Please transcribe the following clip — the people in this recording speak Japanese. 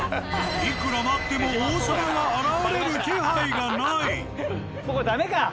いくら待っても王様が現れる気配がない。